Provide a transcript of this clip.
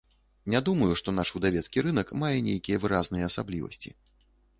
Не думаю, што наш выдавецкі рынак мае нейкія выразныя асаблівасці.